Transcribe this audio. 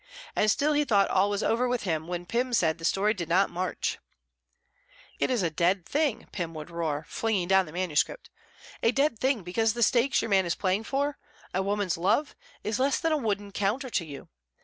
And still he thought all was over with him when Pym said the story did not march. "It is a dead thing," Pym would roar, flinging down the manuscript, "a dead thing because the stakes your man is playing for, a woman's love, is less than a wooden counter to you.